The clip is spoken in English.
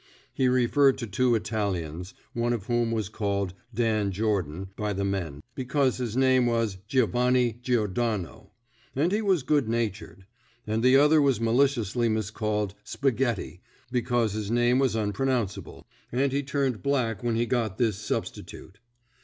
(He referred to two Italians, — one of whom was called Dan Jordan " by the men, be cause his name was Giovanni Giordano " and he was good natured; and the other was maliciously miscalled Spaghetti," because his name was unpronounceable, and he turned black when he got this substitute.)